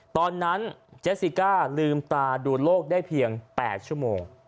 ตอนนั้นเจสสิก้าลืมตาดูโลกได้เพียง๘ชั่วโมง